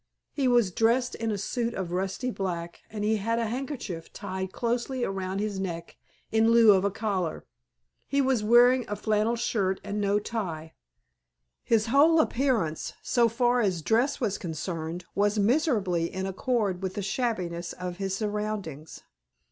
He was dressed in a suit of rusty black, and he had a handkerchief tied closely around his neck in lieu of collar. He was wearing a flannel shirt and no tie. His whole appearance, so far as dress was concerned, was miserably in accord with the shabbiness of his surroundings.